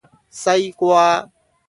西瓜